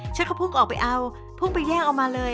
ฉันก็พุ่งออกไปเอาพุ่งไปแย่งเอามาเลย